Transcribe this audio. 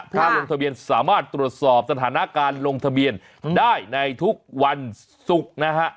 ถ้าลงทะเบียนสามารถตรวจสอบสถานการณ์ลงทะเบียนได้ในทุกวันศุกร์นะฮะ